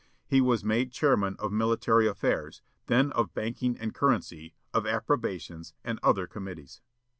He was made chairman of military affairs, then of banking and currency, of appropriations, and other committees.